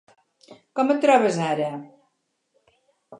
Com et trobes ara?